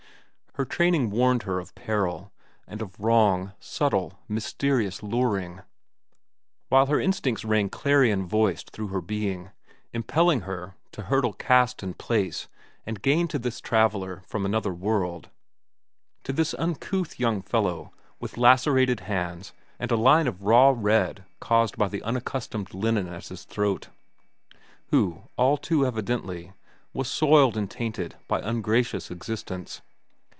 Her training warned her of peril and of wrong, subtle, mysterious, luring; while her instincts rang clarion voiced through her being, impelling her to hurdle caste and place and gain to this traveller from another world, to this uncouth young fellow with lacerated hands and a line of raw red caused by the unaccustomed linen at his throat, who, all too evidently, was soiled and tainted by ungracious existence.